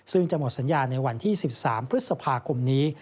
ซึ่งจะหมดสัญญาในวันที่๑๓พฤษภาคมนี้